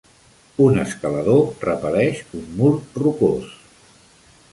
Un escalador repel·leix un mur rocós.